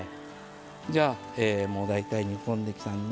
じゃあもう大体煮込んできたんで。